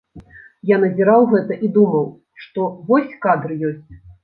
Я назіраў гэта і думаў, што вось кадр ёсць.